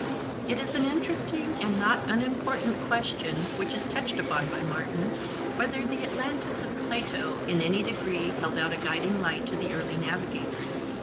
It is an interesting and not unimportant question which is touched upon by Martin, whether the Atlantis of Plato in any degree held out a guiding light to the early navigators.